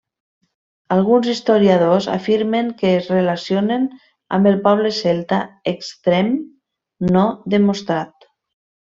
Alguns historiadors afirmen que es relacionen amb el poble celta, extrem no demostrat.